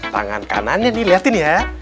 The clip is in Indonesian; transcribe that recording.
tangan kanannya nih liatin ya